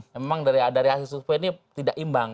memang dari hasil survei ini tidak imbang